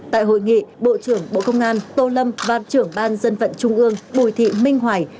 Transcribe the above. tại hội nghị bộ trưởng bộ công an tô lâm và trưởng ban dân vận trung ương bùi thị minh hoài